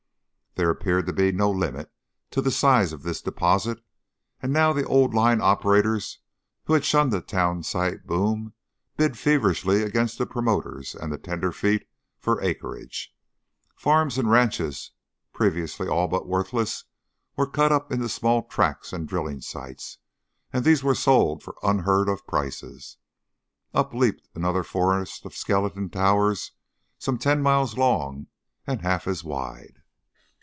There appeared to be no limit to the size of this deposit, and now the old line operators who had shunned the town site boom bid feverishly against the promoters and the tenderfeet for acreage. Farms and ranches previously all but worthless were cut up into small tracts and drilling sites, and these were sold for unheard of prices. Up leaped another forest of skeleton towers some ten miles long and half as wide.